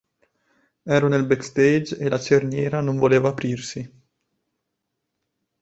Ero nel backstage e la cerniera non voleva aprirsi.